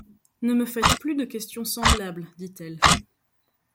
Ne me faites plus de questions semblables, dit-elle.